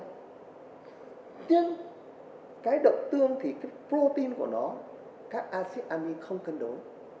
nhưng cái đậu tương thì cái protein của nó các acid amine không cân đối